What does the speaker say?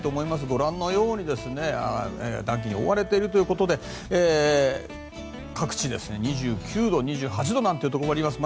ご覧のように暖気に覆われているということで各地、２９度２８度なんてところもあります。